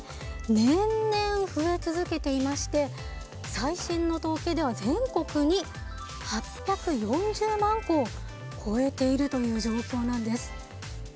年々、増え続けていまして最新の統計では全国に８４０万戸を超えているという状況なんです。